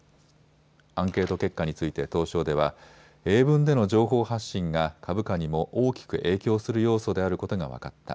アンケート結果について東証では英文での情報発信が株価にも大きく影響する要素であることが分かった。